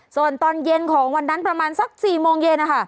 ส่วนตอนเย็นของวันนั้นประมาณสัก๔โมงเย็น